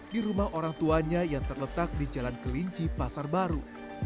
di rumah orang tuanya yang terletak di jalan kelinci pasar baru